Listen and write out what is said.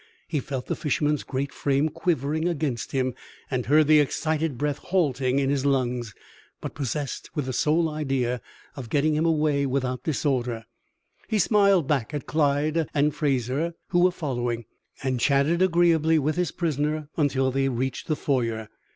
He felt the fisherman's great frame quivering against him and heard the excited breath halting in his lungs; but possessed with the sole idea of getting him away without disorder, he smiled back at Clyde and Fraser, who were following, and chatted agreeably with his prisoner until they had reached the foyer.